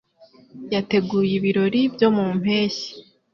Yateguye ibirori byo mu mpeshyi.